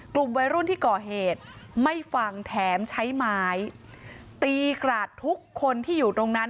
กลุ่มวัยรุ่นที่ก่อเหตุไม่ฟังแถมใช้ไม้ตีกราดทุกคนที่อยู่ตรงนั้น